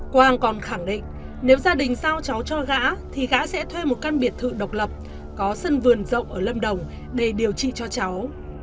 quang còn khẳng định nếu gia đình sao cháu cho gã thì gã sẽ thuê một căn biệt thự độc lập có sân vườn rộng ở lâm đồng để điều trị cho cháu